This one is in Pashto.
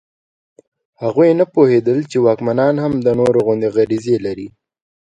هغوی نه پوهېدل چې واکمنان هم د نورو غوندې غریزې لري.